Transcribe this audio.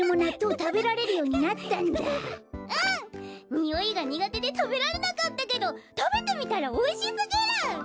においがにがてでたべられなかったけどたべてみたらおいしすぎる！